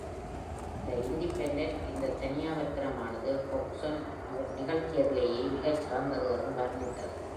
"The Independent" இந்தத் தனியாவர்த்தனம் ஆனது “Coxon நிகழ்த்தியதிலேயே மிகச் சிறந்தது” என்று வர்ணித்தது.